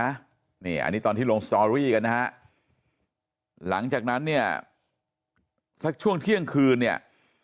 อันนี้ตอนที่ลงสตอรี่กันนะฮะหลังจากนั้นเนี่ยสักช่วงเที่ยงคืนเนี่ย